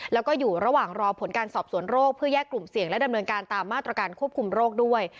แล้วก็อยู่ระหว่างรอผลการสอบสวนโรคเพื่อแยกกลุ่มเสี่ยงและดำเนินการตามมาตรการควบคุมโรคด้วย